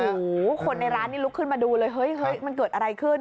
โอ้โหคนในร้านนี้ลุกขึ้นมาดูเลยเฮ้ยมันเกิดอะไรขึ้น